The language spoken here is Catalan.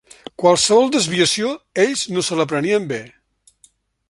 Qualsevol desviació, ells no se la prenien bé.